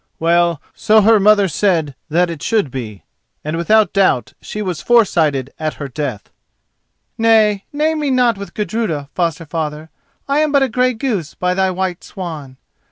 Well, so her mother said that it should be, and without doubt she was foresighted at her death." "Nay, name me not with Gudruda, foster father; I am but a grey goose by thy white swan.